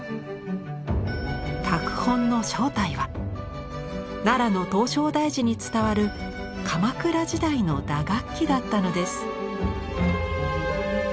拓本の正体は奈良の唐招提寺に伝わる鎌倉時代の打楽器だったのです。